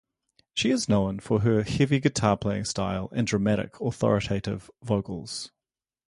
She is known for her heavy guitar playing style and dramatic, authoritative vocals.